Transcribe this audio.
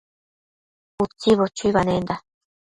Utsibo chuibanenda